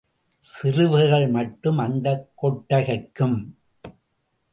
சிறுவர்கள் மட்டும், அந்த கொட்டகைக்கும்.